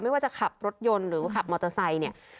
ไม่ว่าจะขับรถยนต์หรือขับมอเตอร์ไซค์เนี่ย